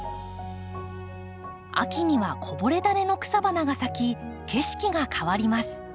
秋にはこぼれ種の草花が咲き景色が変わります。